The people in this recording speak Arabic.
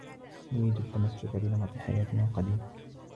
نريد التّمسّك بنمط حياتنا القديم.